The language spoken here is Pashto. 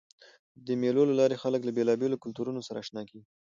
د مېلو له لاري خلک له بېلابېلو کلتورونو سره اشنا کېږي.